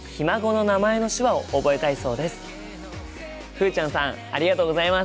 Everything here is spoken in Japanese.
ふうちゃんさんありがとうございます。